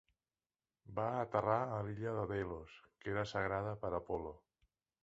Va aterrar a l'illa de Delos, que era sagrada per a Apol·lo.